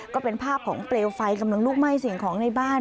ก็เป็นภาพของเปลวไฟกำลังลุกไหม้สิ่งของในบ้าน